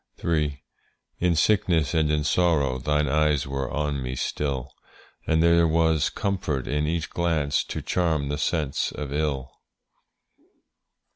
III. In sickness and in sorrow Thine eyes were on me still, And there was comfort in each glance To charm the sense of ill.